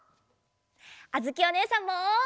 あづきおねえさんも！